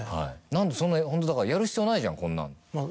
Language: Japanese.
何でそんなホントだからやる必要ないじゃんこんなん。